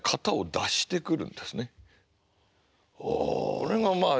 これがまあ